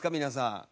皆さん。